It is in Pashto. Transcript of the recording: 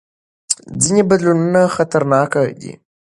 ځینې بدلونونه خطرناک دي.